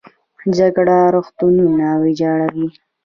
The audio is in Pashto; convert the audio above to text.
جګړه روغتونونه ویجاړوي